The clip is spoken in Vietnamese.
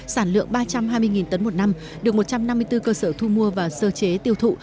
sản lượng ba trăm hai mươi tấn một năm được một trăm năm mươi bốn cơ sở thu mua và sơ chế tiêu thụ